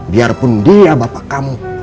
biarpun dia bapak kamu